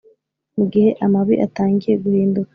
mugihe amababi atangiye guhinduka